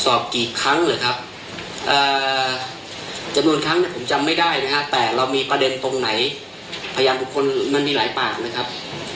สอบกี่ครั้งหรือครับจำนวนครั้งเนี่ยผมจำไม่ได้นะฮะแต่เรามีประเด็นตรงไหนพยานบุคคลมันมีหลายปากนะครับ